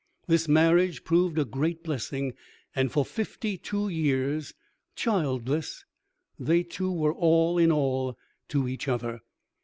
This marriage proved a great blessing, and for fifty two years, childless, they two were all in all to each other.